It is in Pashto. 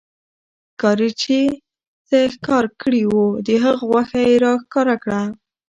ښکارې چې څه ښکار کړي وو، د هغه غوښه يې را ښکاره کړه